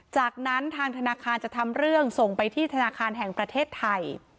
จากนั้นทางธนาคารจะทำเรื่องส่งไปที่ธนาคารแห่งประเทศไทย